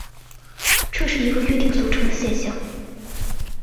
这是一个约定俗成的现像。